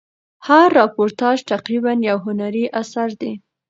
هر راپورتاژ تقریبآ یو هنري اثر دئ.